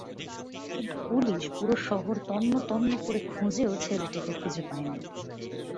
কিন্তু পুলিশ পুরো শহর তন্নতন্ন করে খুজেও ছেলেটিকে খুজে পায় নাই।